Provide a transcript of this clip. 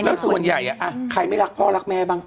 แล้วส่วนใหญ่ใครไม่รักพ่อรักแม่บ้าง